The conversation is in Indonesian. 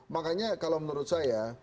makanya kalau menurut saya